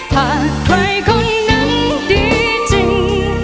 หากใครคนนั้นดีจริง